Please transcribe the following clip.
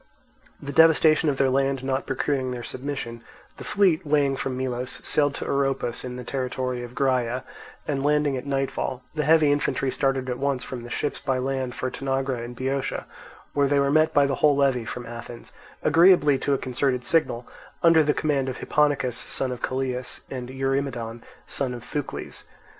The devastation of their land not procuring their submission, the fleet, weighing from Melos, sailed to Oropus in the territory of Graea, and landing at nightfall, the heavy infantry started at once from the ships by land for Tanagra in Boeotia, where they were met by the whole levy from Athens, agreeably to a concerted signal, under the command of Hipponicus, son of Callias, and Eurymedon, son of Thucles.